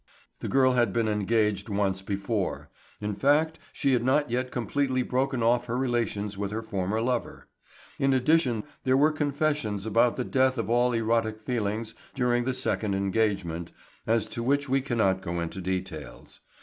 The girl had been engaged once before; in fact she had not yet completely broken off her relations with her former lover. In addition thereto there were confessions about the death of all erotic feelings during the second engagement, as to which we cannot go into details.